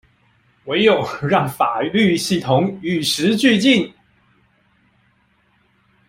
唯有讓法律系統與時俱進